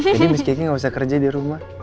jadi miss kiki gak usah kerja di rumah